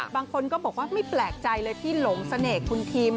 บางคนก็บอกว่าไม่แปลกใจเลยที่หลงเสน่ห์คุณทิม